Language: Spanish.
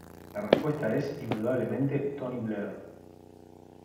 La respuesta es indudablemente Tony Blair.